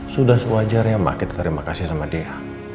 sudah sewajarnya mak kita terima kasih sama dia